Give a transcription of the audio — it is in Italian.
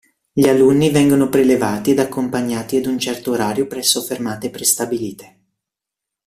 Gli alunni vengono prelevati ed accompagnati ad un certo orario presso fermate prestabilite.